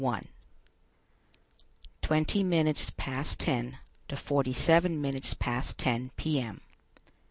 TWENTY MINUTES PAST TEN TO FORTY SEVEN MINUTES PAST TEN P. M.